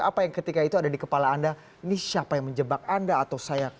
apa yang ketika itu ada di kepala anda ini siapa yang menjebak anda atau saya